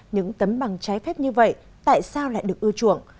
những tấm bằng trái phép như vậy tại sao lại được ưa chuộng